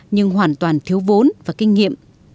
nhưng hoàn toàn thiếu vốn và kinh nghiệm